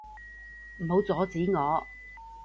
唔好阻止我！